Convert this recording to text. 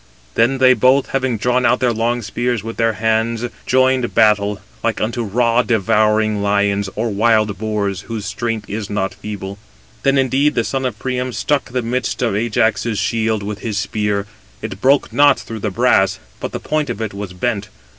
Then they both, having drawn out their long spears with their hands, joined battle, like unto raw devouring lions, or wild boars, whose strength is not feeble. Then indeed the son of Priam struck the midst of his [Ajax's] shield with his spear; it broke not through the brass, but the point of it was bent.